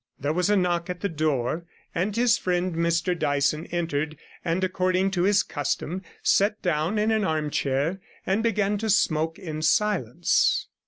There was a knock at the door, and his friend Mr Dyson entered, and, according to his custom, sat down in an arm chair and began to smoke in silence.